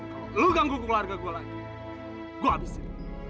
kalau lu ganggu keluarga gua lagi gua habisin